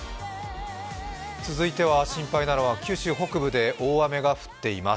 続いては心配なのは九州北部で大雨が降っています。